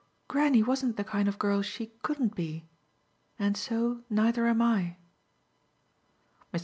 "Granny wasn't the kind of girl she COULDN't be and so neither am I." Mr.